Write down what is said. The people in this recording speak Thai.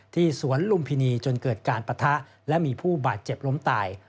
สวนลุมพินีจนเกิดการปะทะและมีผู้บาดเจ็บล้มตาย